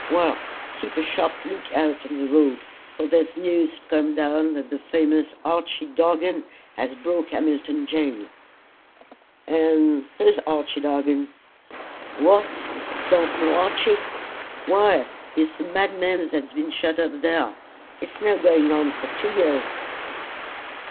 "Well, keep a sharp look out on the road, for there's news come down that the famous Archy Dargan has broke Hamilton jail." "And who's Archy Dargan?" "What! don't know Archy? Why, he's the madman that's been shut up there, it's now guine on two years."